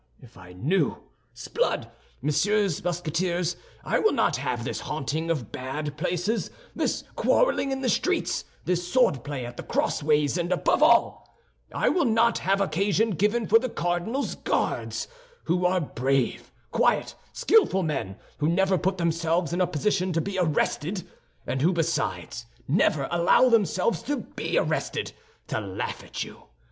Ah, if I knew! S'blood! Messieurs Musketeers, I will not have this haunting of bad places, this quarreling in the streets, this swordplay at the crossways; and above all, I will not have occasion given for the cardinal's Guards, who are brave, quiet, skillful men who never put themselves in a position to be arrested, and who, besides, never allow themselves to be arrested, to laugh at you!